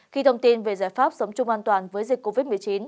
khi thông tin về giải pháp sống chung an toàn với dịch covid một mươi chín